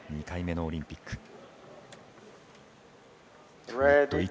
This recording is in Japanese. ２回目のオリンピック。